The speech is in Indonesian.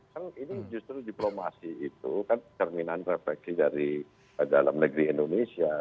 kan ini justru diplomasi itu kan cerminan refleksi dari dalam negeri indonesia